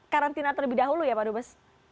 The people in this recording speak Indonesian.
karantina terlebih dahulu ya pak dubes